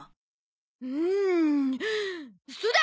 うんそうだ！